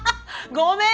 ごめん！